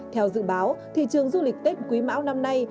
theo dự báo thị trường du lịch tết quý mão năm nay